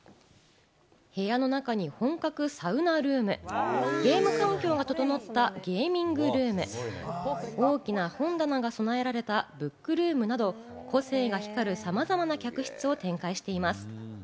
部屋の中に本格サウナルーム、ゲーム環境が整ったゲーミングルーム、大きな本棚が備えられたブックルームなど個性が光る、さまざまな客室を展開しています。